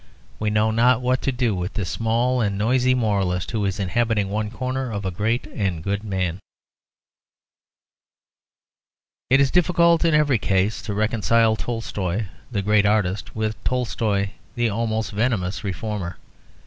We know not what to do with this small and noisy moralist who is inhabiting one corner of a great and good man. It is difficult in every case to reconcile Tolstoy the great artist with Tolstoy the almost venomous reformer.